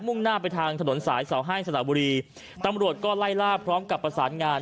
่งหน้าไปทางถนนสายเสาให้สละบุรีตำรวจก็ไล่ล่าพร้อมกับประสานงาน